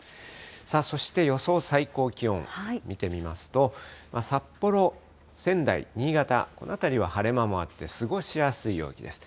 さあそして、予想最高気温見てみますと、札幌、仙台、新潟、この辺りは晴れ間もあって、過ごしやすい陽気です。